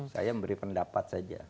saya memberi pendapat saja